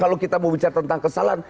kalau kita mau bicara tentang kesalahan